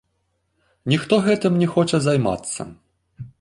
Ніхто гэтым не хоча займацца.